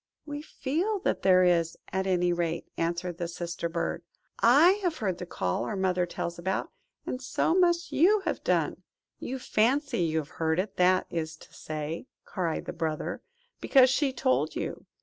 "We feel that there is, at any rate," answered the Sister bird. "I have heard the call our mother tells about, and so must you have done." "You fancy you have heard it, that is to say," cried the Brother; "because she told you.